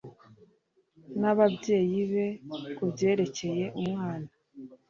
N ababyeyi be ku byerekeye umwana